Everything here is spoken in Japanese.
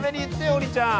王林ちゃん。